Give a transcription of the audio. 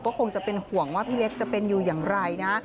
ก็คงจะเป็นห่วงว่าพี่เล็กจะเป็นอยู่อย่างไรนะ